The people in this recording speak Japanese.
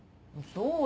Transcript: そうよ。